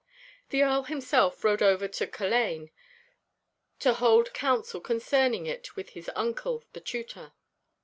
The Earl himself rode over to Culzean to hold council concerning it with his uncle, the Tutor.